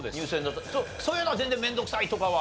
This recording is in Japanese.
そういうのは全然面倒くさいとかは。